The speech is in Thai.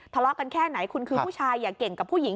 ทะเลาะกันแค่ไหนคุณคือผู้ชายอย่าเก่งกับผู้หญิง